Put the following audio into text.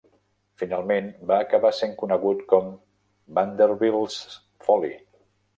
Finalment va acabar sent conegut com "Vanderbilt's Folly".